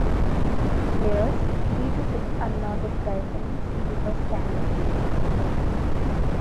Layers three to six are not described in fieldbus standards.